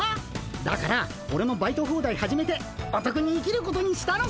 だからオレもバイトホーダイ始めておとくに生きることにしたのさ。